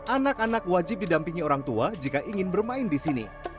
anak anak wajib didampingi orang tua jika ingin bermain di sini